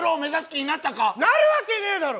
なるわけねぇだろ！